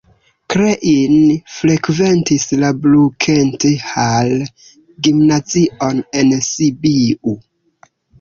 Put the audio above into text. Klein frekventis la Brukenthal-gimnazion en Sibiu.